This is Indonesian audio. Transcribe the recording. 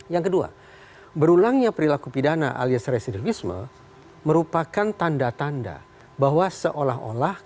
yang kedua berulangnya perilaku pidana alias residivisme merupakan tanda tanda bahwa seolah olah